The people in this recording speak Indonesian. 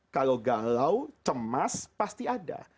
kalau galau cemas pasti ada